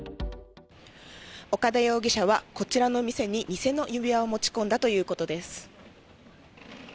岡田容疑者は、こちらの店に偽の指輪を持ち込んだということです。